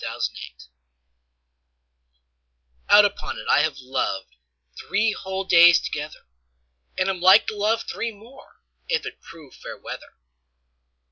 The Constant Lover OUT upon it, I have lovedThree whole days together! And am like to love three more, If it prove fair weather.